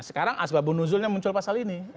sekarang azbabun nuzul yang muncul pasal ini